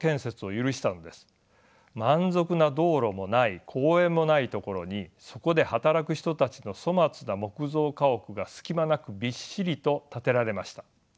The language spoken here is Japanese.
満足な道路もない公園もないところにそこで働く人たちの粗末な木造家屋が隙間なくびっしりと建てられました。